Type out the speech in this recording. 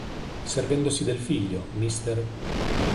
Servendosi del figlio, Mr.